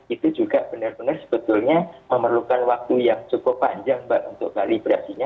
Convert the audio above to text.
itu juga benar benar sebetulnya memerlukan waktu yang cukup panjang mbak untuk kalibrasinya